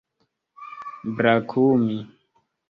brakumi